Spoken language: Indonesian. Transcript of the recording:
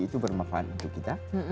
itu bermanfaat untuk kita